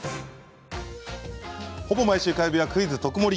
ほぼ毎週火曜日は「クイズとくもり」。